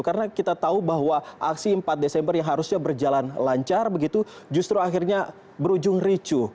karena kita tahu bahwa aksi empat desember yang harusnya berjalan lancar begitu justru akhirnya berujung ricu